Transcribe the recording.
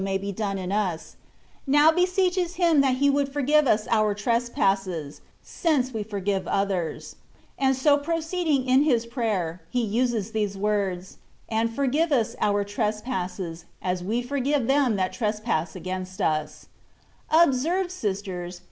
181 done in us, now beseeches Him that He would forgive us our ^^ trespasses/^ since we forgive others ; and so proceecfing in His prayer, He uses these words> "And forgive us our trespasses, as we fwgive them that trespass against us" Ob serve, sisters.